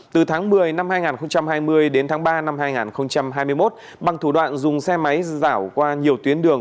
từ tháng một mươi năm hai nghìn hai mươi đến tháng ba năm hai nghìn hai mươi một bằng thủ đoạn dùng xe máy giảo qua nhiều tuyến đường